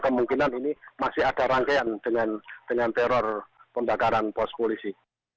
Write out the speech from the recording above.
kemungkinan ini masih ada rangkaian dengan teror pembakaran pos polisi